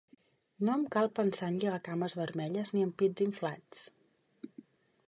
No em cal pensar en lligacames vermelles ni en pits inflats.